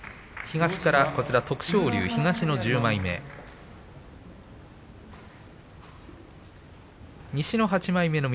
東から徳勝龍、東の１０枚目。